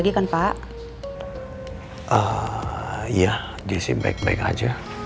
dia sih baik baik aja